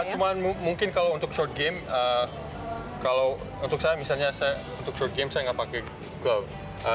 cuma mungkin kalau untuk short game kalau untuk saya misalnya untuk short game saya nggak pakai golf